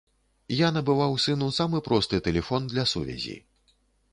Я набываў сыну самы просты тэлефон для сувязі.